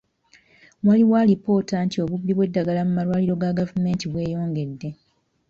Waliwo alipoota nti obubbi bw'eddagala mu malwaliro ga gavumenti bweyongedde.